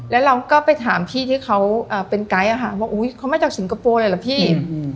แล้วเราก็ไปถามพี่ที่เขาเป็นไกด์ว่าเขามาจากสิงคโปร์เลยเหรอพี่